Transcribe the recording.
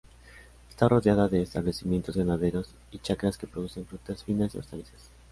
Está rodeada de establecimientos ganaderos y chacras que producen frutas finas y hortalizas.